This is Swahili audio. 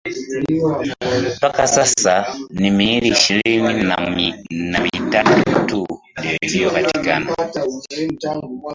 mpaka sasa ni miili ishirini na mitatu tu ndio iliyopatikana